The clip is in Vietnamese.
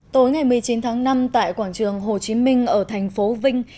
tối ngày một mươi chín tháng năm tại quảng trường hồ chí minh ở thành phố vinh